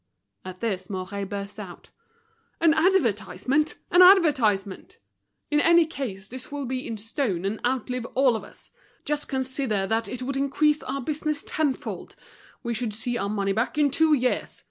At this Mouret burst out. "An advertisement! an advertisement! In any case this will be in stone and outlive all of us. Just consider that it would increase our business tenfold! We should see our money back in two years.